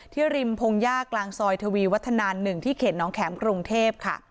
ที่ริมพงศ์ยากลางซอยทวีวัฒนา๑ที่เข็ดน้องแข็มกรุงเทพฯ